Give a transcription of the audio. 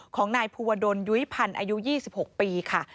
ของนายภูวดลยุ้ยพันธ์อายุ๒๖ปีค่ะ